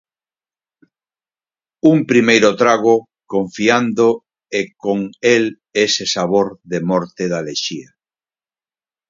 Un primeiro trago confiando e con el ese sabor de morte da lexía.